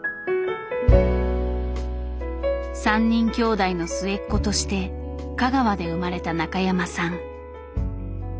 ３人きょうだいの末っ子として香川で生まれた中山さん。